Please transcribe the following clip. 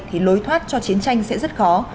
thì lối thoát cho chiến tranh sẽ rất khó